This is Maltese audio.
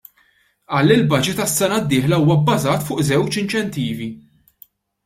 Qal li l-baġit għas-sena d-dieħla huwa bbażat fuq żewġ inċentivi.